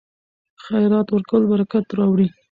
خیرات ورکول برکت راوړي.